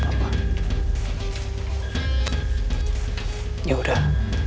mondi juga minta maaf semua papa